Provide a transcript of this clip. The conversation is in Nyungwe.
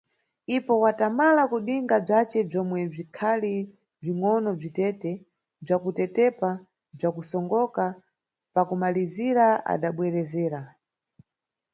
Ipo watamala kudinga bzace bzomwe bzikhali bzingʼono bzi tete, bzakutetepa bza kusongoka, pa kumalizira adabwerezera.